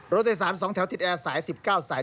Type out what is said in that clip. รถไทยสารสองแถวติดแอร์สาย๑๙สาย